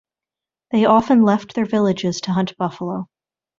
They often left their villages to hunt buffalo.